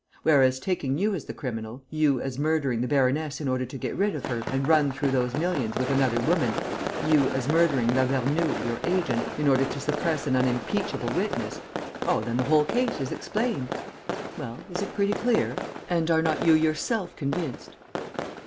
Whereas, taking you as the criminal, you as murdering the baroness in order to get rid of her and run through those millions with another woman, you as murdering Lavernoux, your agent, in order to suppress an unimpeachable witness, oh, then the whole case is explained! Well, is it pretty clear? And are not you yourself convinced?"